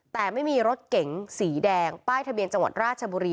แต่ไม่มีรถเก๋งสีแดงป้ายทะเบียนจังหวัดราชบุรี